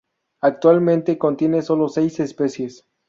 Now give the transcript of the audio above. Actualmente contiene solo seis especies.